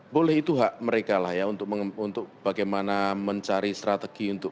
boleh itu hak mereka lah ya untuk bagaimana mencari strategi untuk